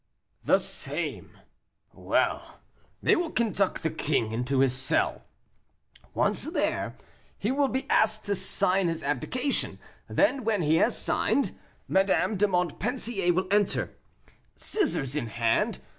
"The same." "Well! they will conduct the king into his cell; once there, he will be asked to sign his abdication, then, when he has signed, Madame de Montpensier will enter, scissors in hand.